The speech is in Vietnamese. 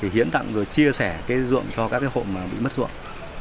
hiến tặng rồi chia sẻ ruộng cho các hộ mà bị mất ruộng